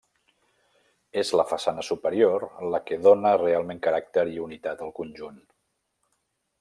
És la façana superior la que dóna realment caràcter i unitat al conjunt.